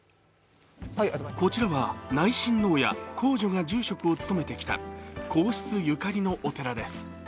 こちらは内親王や、皇女が住職を務めてきた皇室ゆかりのお寺です。